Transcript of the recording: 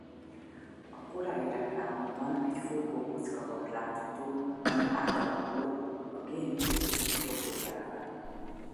A korai reklámokban egy forgó kocka volt látható ami átalakult a GameCube logójává.